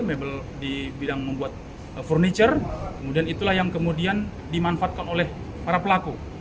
mebel di bidang membuat furniture kemudian itulah yang kemudian dimanfaatkan oleh para pelaku